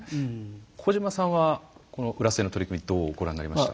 小島さんは、この浦添の取り組みどうご覧になりました？